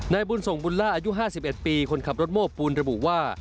บุญส่งบุญล่าอายุ๕๑ปีคนขับรถโม้ปูนระบุว่า